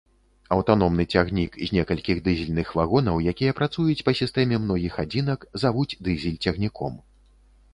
Аўтаномны цягнік з некалькіх дызельных вагонаў, якія працуюць па сістэме многіх адзінак, завуць дызель-цягніком.